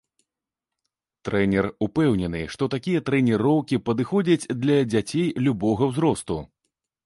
Трэнер упэўнены, што такія трэніроўкі падыходзяць для дзяцей любога ўзросту.